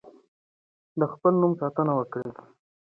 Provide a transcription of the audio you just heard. د خپل نوم ساتنه وکړئ.